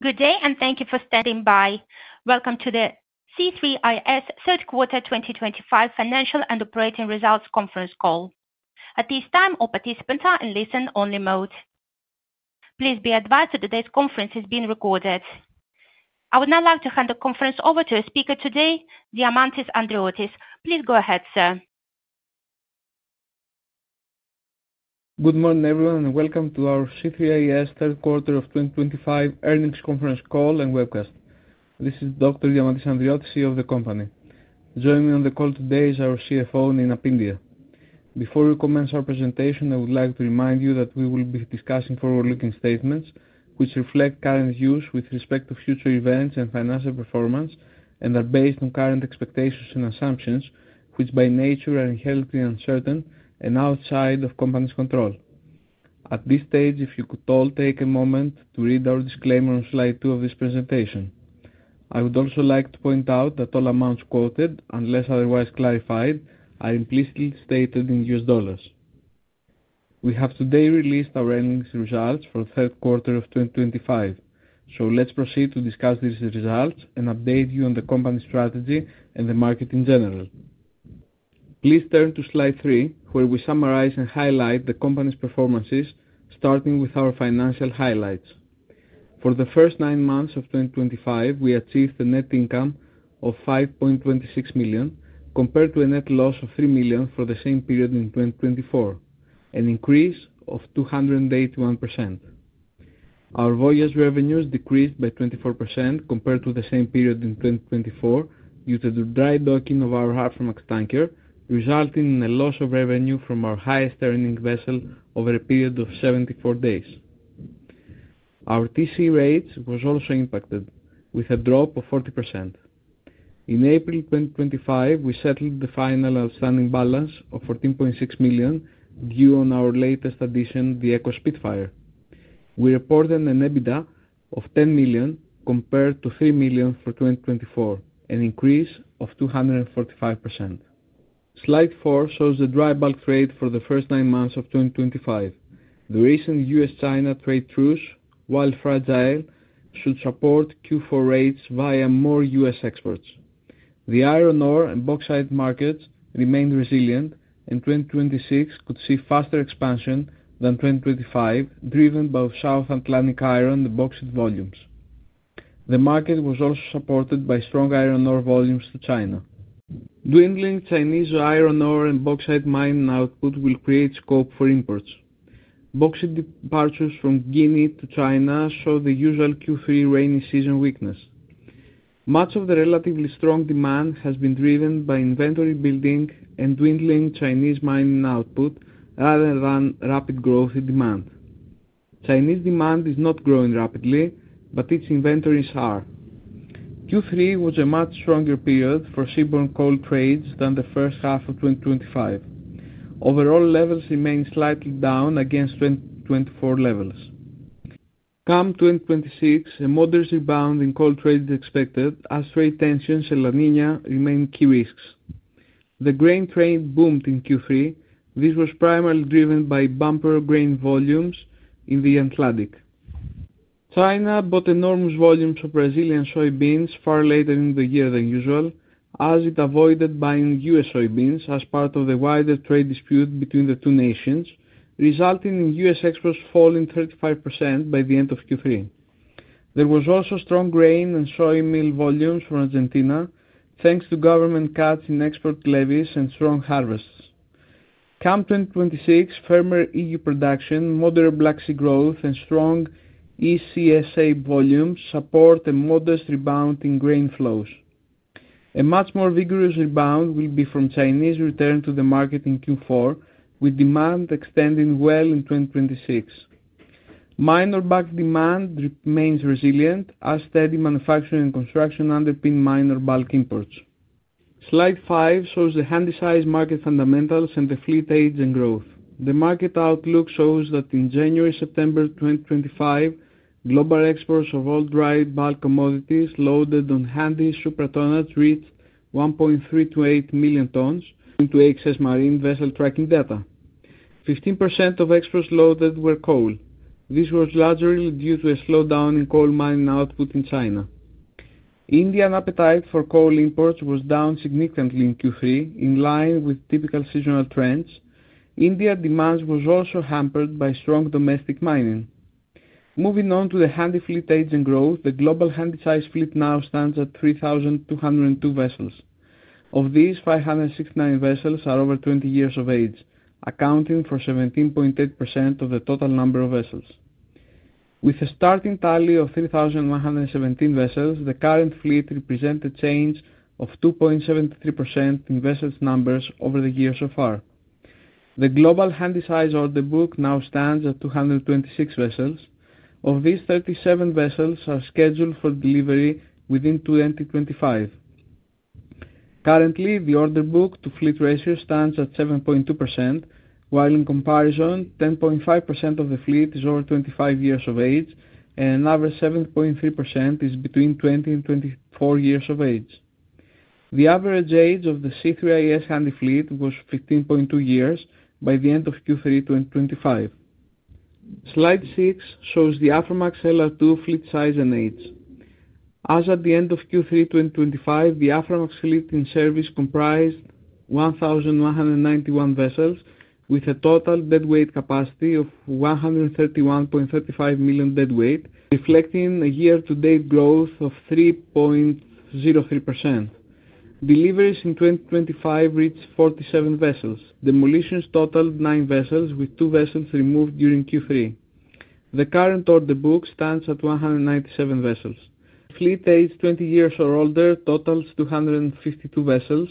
Good day, and thank you for standing by. Welcome to the C3is Q3 2025 financial and operating results conference call. At this time, all participants are in listen-only mode. Please be advised that today's conference is being recorded. I would now like to hand the conference over to our speaker today, Diamantis Andriotis. Please go ahead, sir. Good morning, everyone, and welcome to our C3is Q3 2025 earnings conference call and webcast. This is Dr. Diamantis Andriotis of the company. Joining me on the call today is our CFO, Nina Pyndiah. Before we commence our presentation, I would like to remind you that we will be discussing forward-looking statements which reflect current views with respect to future events and financial performance and are based on current expectations and assumptions which, by nature, are inherently uncertain and outside of companies' control. At this stage, if you could all take a moment to read our disclaimer on slide two of this presentation. I would also like to point out that all amounts quoted, unless otherwise clarified, are implicitly stated in U.S. dollars. We have today released our earnings results for third quarter 2025, so let's proceed to discuss these results and update you on the company's strategy and the market in general. Please turn to slide three, where we summarize and highlight the company's performances, starting with our financial highlights. For the first nine months of 2025, we achieved a net income of 5.26 million compared to a net loss of 3 million for the same period in 2024, an increase of 281%. Our voyage revenues decreased by 24% compared to the same period in 2024 due to the dry docking of our Aframax tanker, resulting in a loss of revenue from our highest earning vessel over a period of 74 days. Our TC rates were also impacted, with a drop of 40%. In April 2025, we settled the final outstanding balance of 14.6 million due on our latest addition, the EcoSpeedFire. We reported an EBITDA of 10 million compared to 3 million for 2024, an increase of 245%. Slide four shows the dry bulk trade for the first nine months of 2025. The recent U.S.-China trade truce, while fragile, should support Q4 rates via more U.S. exports. The iron ore and bauxite markets remained resilient, and 2026 could see faster expansion than 2025, driven by South Atlantic iron and bauxite volumes. The market was also supported by strong iron ore volumes to China. Dwindling Chinese iron ore and bauxite mining output will create scope for imports. Bauxite departures from Guinea to China show the usual Q3 rainy season weakness. Much of the relatively strong demand has been driven by inventory building and dwindling Chinese mining output rather than rapid growth in demand. Chinese demand is not growing rapidly, but its inventories are. Q3 was a much stronger period for seaborne coal trades than the first half of 2025. Overall levels remain slightly down against 2024 levels. Come 2026, a moderate rebound in coal trade is expected, as trade tensions in La Niña remain key risks. The grain trade boomed in Q3. This was primarily driven by bumper grain volumes in the Atlantic. China bought enormous volumes of Brazilian soybeans far later in the year than usual, as it avoided buying U.S. soybeans as part of the wider trade dispute between the two nations, resulting in U.S. exports falling 35% by the end of Q3. There was also strong grain and soy meal volumes from Argentina, thanks to government cuts in export levies and strong harvests. Come 2026, firmer EU production, moderate Black Sea growth, and strong ECSA volumes support a modest rebound in grain flows. A much more vigorous rebound will be from Chinese return to the market in Q4, with demand extending well into 2026. Minor bulk demand remains resilient, as steady manufacturing and construction underpin minor bulk imports. Slide five shows the handy-sized market fundamentals and the fleet age and growth. The market outlook shows that in January-September 2025, global exports of all dry bulk commodities loaded on handy supertonnage reached 1.328 million tons. To AXS Marine vessel tracking data, 15% of exports loaded were coal. This was largely due to a slowdown in coal mining output in China. Indian appetite for coal imports was down significantly in Q3, in line with typical seasonal trends. India's demand was also hampered by strong domestic mining. Moving on to the handy fleet age and growth, the global handy-sized fleet now stands at 3,202 vessels. Of these, 569 vessels are over 20 years of age, accounting for 17.8% of the total number of vessels. With a starting tally of 3,117 vessels, the current fleet represents a change of 2.73% in vessels' numbers over the years so far. The global handy-sized order book now stands at 226 vessels. Of these, 37 vessels are scheduled for delivery within 2025. Currently, the order book to fleet ratio stands at 7.2%, while in comparison, 10.5% of the fleet is over 25 years of age, and another 7.3% is between 20 and 24 years of age. The average age of the C3is handy fleet was 15.2 years by the end of Q3 2025. Slide six shows the Aframax/LR2 LR2 fleet size and age. As at the end of Q3 2025, the Aframax fleet in service comprised 1,191 vessels, with a total deadweight capacity of 131.35 million deadweight, reflecting a year-to-date growth of 3.03%. Deliveries in 2025 reached 47 vessels. Demolitions totaled 9 vessels, with 2 vessels removed during Q3. The current order book stands at 197 vessels. Fleet age 20 years or older totals 252 vessels,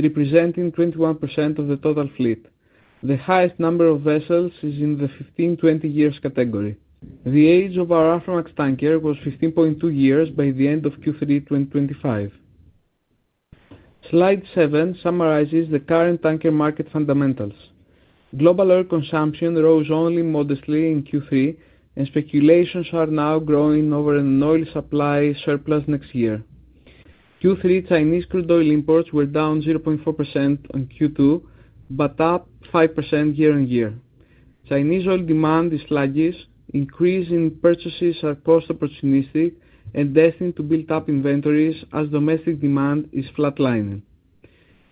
representing 21% of the total fleet. The highest number of vessels is in the 15-20 years category. The age of our Aframax tanker was 15.2 years by the end of Q3 2025. Slide seven summarizes the current tanker market fundamentals. Global oil consumption rose only modestly in Q3, and speculations are now growing over an oil supply surplus next year. Q3 Chinese crude oil imports were down 0.4% on Q2, but up 5% year-on-year. Chinese oil demand is sluggish, increasing purchases are cost-opportunistic and destined to build up inventories as domestic demand is flatlining.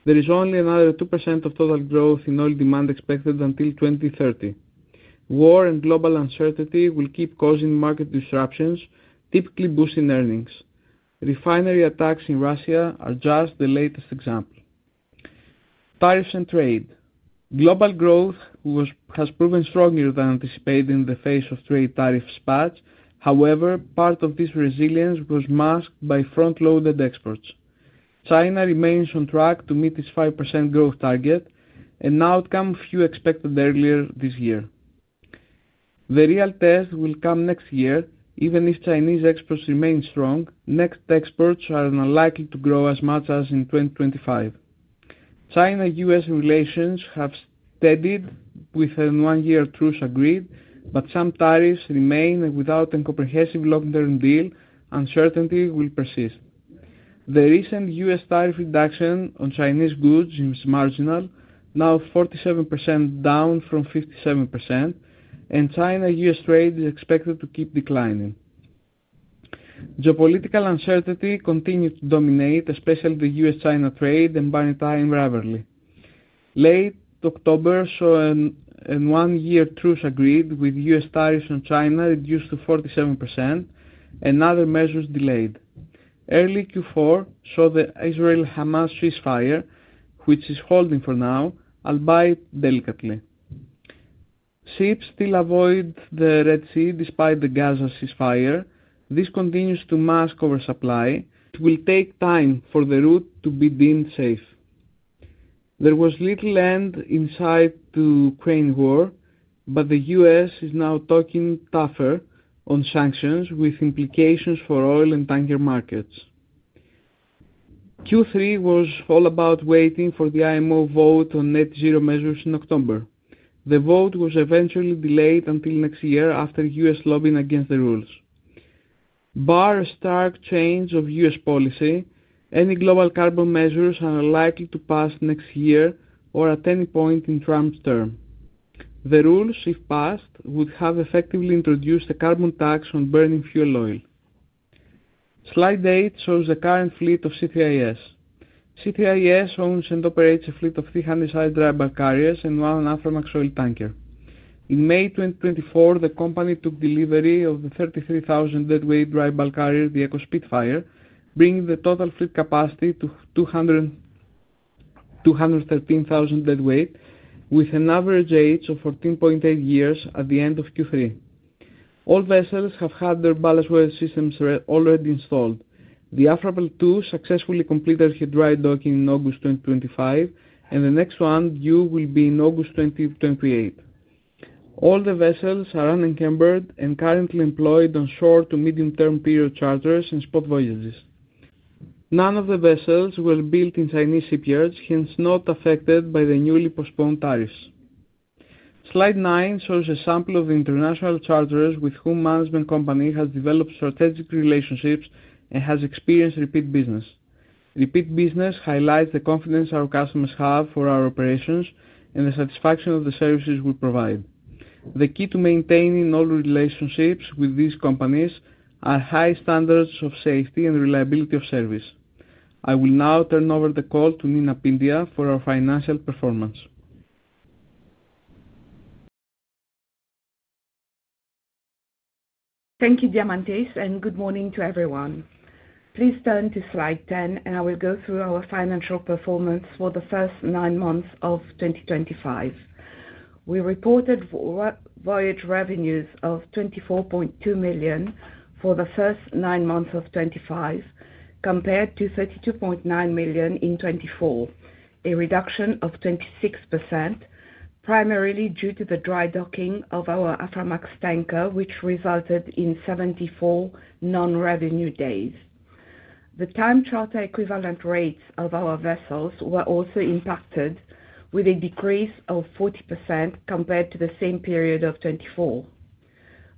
There is only another 2% of total growth in oil demand expected until 2030. War and global uncertainty will keep causing market disruptions, typically boosting earnings. Refinery attacks in Russia are just the latest example. Tariffs and trade. Global growth has proven stronger than anticipated in the face of trade tariff spats. However, part of this resilience was masked by front-loaded exports. China remains on track to meet its 5% growth target, an outcome few expected earlier this year. The real test will come next year. Even if Chinese exports remain strong, net exports are unlikely to grow as much as in 2025. China-U.S. relations have steadied with a one-year truce agreed, but some tariffs remain, and without a comprehensive long-term deal, uncertainty will persist. The recent U.S. tariff reduction on Chinese goods is marginal, now 47% down from 57%, and China-U.S. trade is expected to keep declining. Geopolitical uncertainty continued to dominate, especially the U.S.-China trade and maritime rivalry. Late October saw a one-year truce agreed, with U.S. tariffs on China reduced to 47%, and other measures delayed. Early Q4 saw the Israel-Hamas ceasefire, which is holding for now, albeit delicately. Ships still avoid the Red Sea despite the Gaza ceasefire. This continues to mask oversupply. It will take time for the route to be deemed safe. There was little end in sight to Ukraine war, but the U.S. is now talking tougher on sanctions, with implications for oil and tanker markets. Q3 was all about waiting for the IMO vote on net zero measures in October. The vote was eventually delayed until next year after U.S. lobbying against the rules. Bar a stark change of U.S. policy, any global carbon measures are unlikely to pass next year or at any point in Trump's term. The rules, if passed, would have effectively introduced a carbon tax on burning fuel oil. Slide eight shows the current fleet of C3is. C3is owns and operates a fleet of three handy-sized dry bulk carriers and one Haframx oil tanker. In May 2024, the company took delivery of the 33,000 deadweight dry bulk carrier, the EcoSpeedFire, bringing the total fleet capacity to 213,000 deadweight, with an average age of 14.8 years at the end of Q3. All vessels have had their ballast water systems already installed. The Afrapearl II successfully completed her dry docking in August 2025, and the next one due will be in August 2028. All the vessels are unencumbered and currently employed on short to medium-term period charters and spot voyages. None of the vessels were built in Chinese shipyards, hence not affected by the newly postponed tariffs. Slide nine shows a sample of the international charters with whom Management Company has developed strategic relationships and has experienced repeat business. Repeat business highlights the confidence our customers have for our operations and the satisfaction of the services we provide. The key to maintaining all relationships with these companies are high standards of safety and reliability of service. I will now turn over the call to Nina Pyndiah for our financial performance. Thank you, Diamantis, and good morning to everyone. Please turn to slide ten, and I will go through our financial performance for the first nine months of 2025. We reported voyage revenues of 24.2 million for the first nine months of 2025, compared to 32.9 million in 2024, a reduction of 26%, primarily due to the dry docking of our Aframax tanker, which resulted in 74 non-revenue days. The time charter equivalent rates of our vessels were also impacted, with a decrease of 40% compared to the same period of 2024.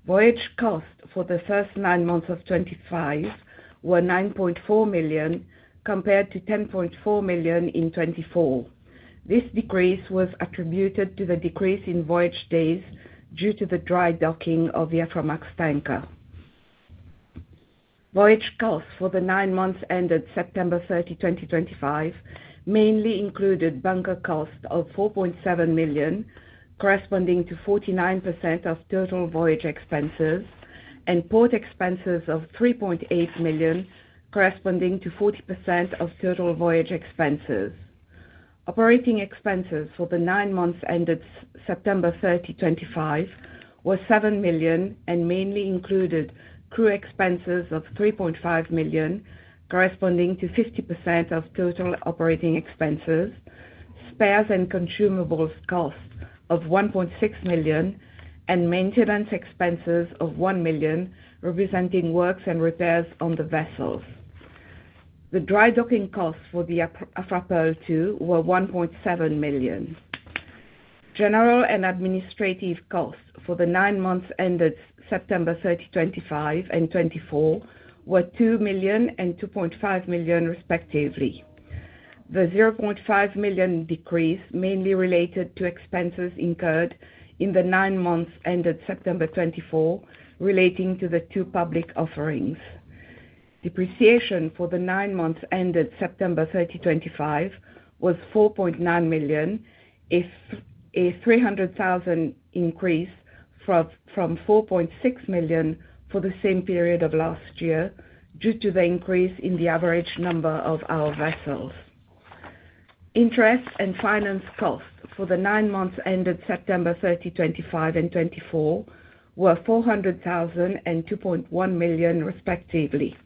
Voyage costs for the first nine months of 2025 were 9.4 million, compared to 10.4 million in 2024. This decrease was attributed to the decrease in voyage days due to the dry docking of the Aframax tanker. Voyage costs for the nine months ended September 30, 2025, mainly included bunker costs of 4.7 million, corresponding to 49% of total voyage expenses, and port expenses of 3.8 million, corresponding to 40% of total voyage expenses. Operating expenses for the nine months ended September 30, 2025, were 7 million and mainly included crew expenses of 3.5 million, corresponding to 50% of total operating expenses, spares and consumables costs of 1.6 million, and maintenance expenses of 1 million, representing works and repairs on the vessels. The dry docking costs for the Afrapearl II were 1.7 million. General and administrative costs for the nine months ended September 30, 2025, and 2024 were 2 million and 2.5 million, respectively. The 0.5 million decrease mainly related to expenses incurred in the nine months ended September 2024, relating to the two public offerings. Depreciation for the nine months ended September 30, 2025, was 4.9 million, a 300,000 increase from 4.6 million for the same period of last year due to the increase in the average number of our vessels. Interest and finance costs for the nine months ended September 30, 2025, and 2024 were 400,000 and 2.1 million, respectively.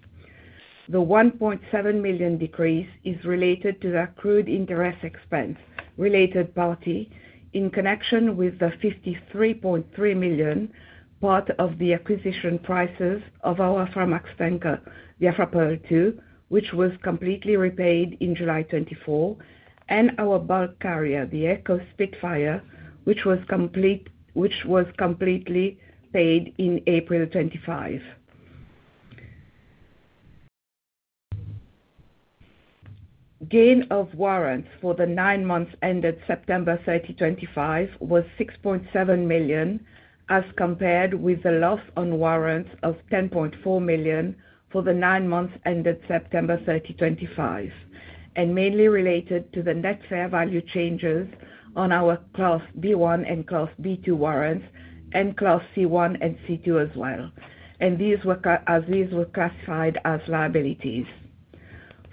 The 1.7 million decrease is related to the accrued interest expense related party in connection with the 53.3 million part of the acquisition prices of our Aframax tanker, the Afrapearl II, which was completely repaid in July 2024, and our bulk carrier, the EcoSpeedFire, which was completely paid in April 2025. Gain of warrants for the nine months ended September 30, 2025, was 6.7 million, as compared with the loss on warrants of 10.4 million for the nine months ended September 30, 2025, and mainly related to the net fair value changes on our Class B1 and Class B2 warrants and Class C1 and C2 as well, as these were classified as liabilities.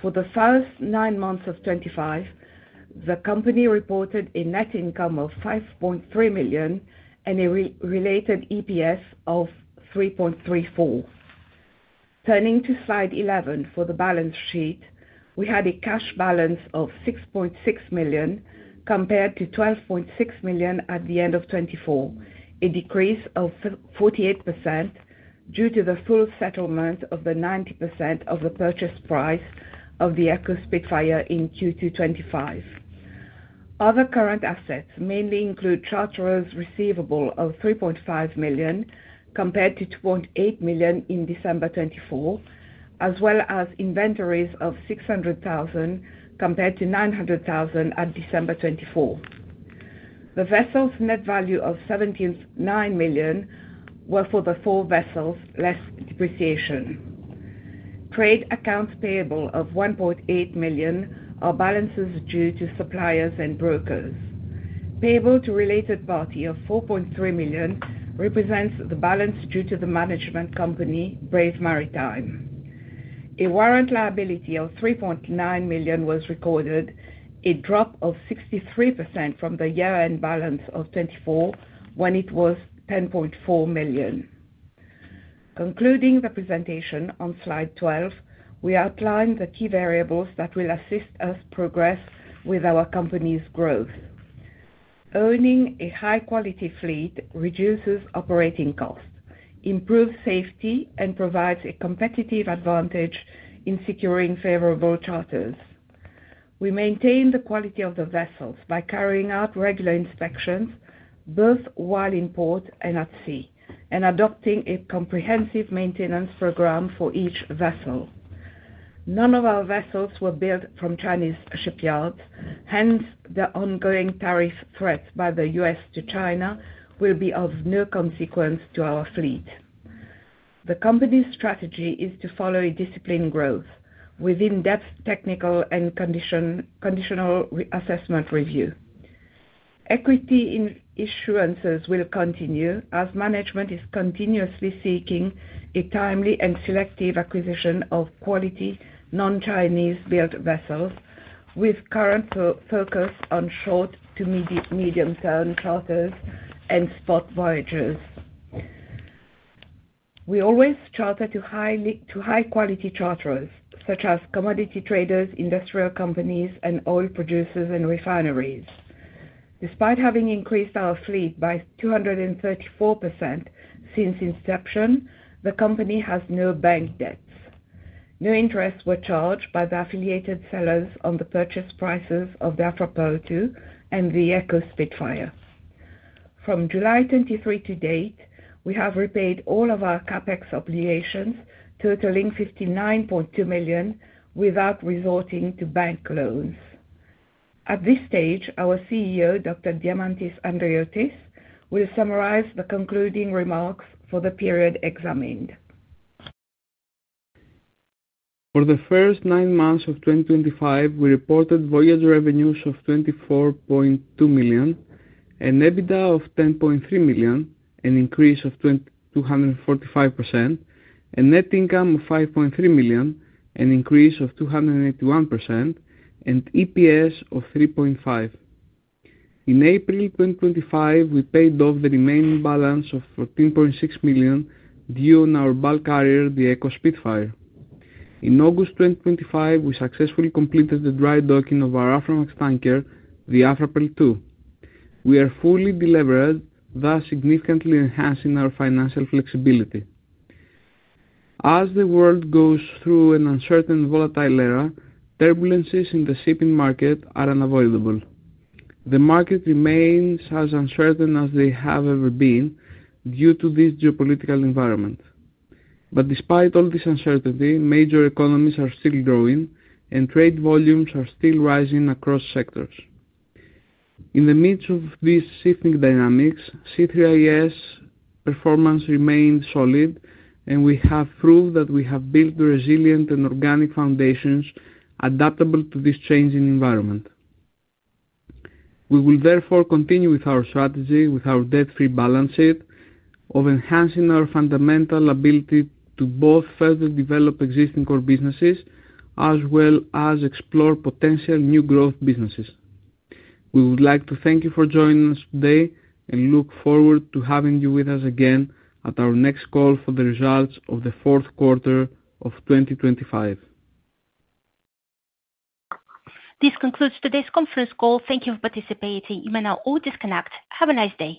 For the first nine months of 2025, the company reported a net income of 5.3 million and a related EPS of 3.34. Turning to slide 11 for the balance sheet, we had a cash balance of 6.6 million compared to 12.6 million at the end of 2024, a decrease of 48% due to the full settlement of the 90% of the purchase price of the EcoSpeedFire in Q2 2025. Other current assets mainly include chartered receivables of 3.5 million compared to 2.8 million in December 2024, as well as inventories of 600,000 compared to 900,000 at December 2024. The vessels' net value of 79 million was for the four vessels less depreciation. Trade accounts payable of 1.8 million are balances due to suppliers and brokers. Payable to related party of 4.3 million represents the balance due to the management company, Brave Maritime. A warrant liability of 3.9 million was recorded, a drop of 63% from the year-end balance of 2024 when it was 10.4 million. Concluding the presentation on slide 12, we outline the key variables that will assist us progress with our company's growth. Earning a high-quality fleet reduces operating costs, improves safety, and provides a competitive advantage in securing favorable charters. We maintain the quality of the vessels by carrying out regular inspections both while in port and at sea and adopting a comprehensive maintenance program for each vessel. None of our vessels were built from Chinese shipyards, hence the ongoing tariff threat by the U.S. to China will be of no consequence to our fleet. The company's strategy is to follow a disciplined growth with in-depth technical and conditional assessment review. Equity in issuances will continue as management is continuously seeking a timely and selective acquisition of quality non-Chinese-built vessels, with current focus on short to medium-term charters and spot voyages. We always charter to high-quality charters, such as commodity traders, industrial companies, and oil producers and refineries. Despite having increased our fleet by 234% since inception, the company has no bank debts. No interests were charged by the affiliated sellers on the purchase prices of the Afrapearl II and the EcoSpeedFire. From July 2023 to date, we have repaid all of our CapEx obligations, totaling 59.2 million, without resorting to bank loans. At this stage, our CEO, Dr. Diamantis Andriotis, will summarize the concluding remarks for the period examined. For the first nine months of 2025, we reported voyage revenues of 24.2 million, an EBITDA of 10.3 million, an increase of 245%, a net income of 5.3 million, an increase of 281%, and EPS of 3.5. In April 2025, we paid off the remaining balance of 14.6 million due on our bulk carrier, the EcoSpeedFire. In August 2025, we successfully completed the dry docking of our Aframax tanker, the Afrapearl II. We are fully delivered, thus significantly enhancing our financial flexibility. As the world goes through an uncertain and volatile era, turbulences in the shipping market are unavoidable. The market remains as uncertain as they have ever been due to this geopolitical environment. Despite all this uncertainty, major economies are still growing, and trade volumes are still rising across sectors. In the midst of these shifting dynamics, C3is performance remained solid, and we have proved that we have built resilient and organic foundations adaptable to this changing environment. We will therefore continue with our strategy, with our debt-free balance sheet, of enhancing our fundamental ability to both further develop existing core businesses as well as explore potential new growth businesses. We would like to thank you for joining us today and look forward to having you with us again at our next call for the results of the fourth quarter of 2025. This concludes today's conference call. Thank you for participating. You may now all disconnect. Have a nice day.